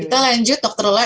kita lanjut dokter lola